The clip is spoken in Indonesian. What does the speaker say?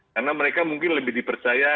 karena mereka mungkin lebih dipercaya